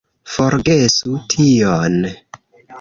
Forgesu tion!